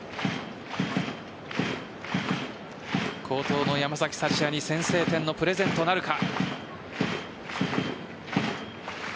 好投の山崎福也に先制点のプレゼントなるか。